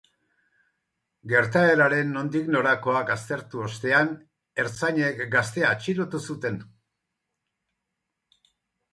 Gertaeraren nondik norakoak aztertu ostean, ertzainek gaztea atxilotu zuten.